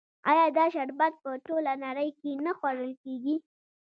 آیا دا شربت په ټوله نړۍ کې نه خوړل کیږي؟